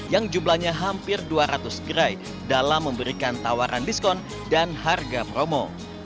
yang jumlahnya hampir dua ratus gerai dalam memberikan tawaran diskon dan harga promo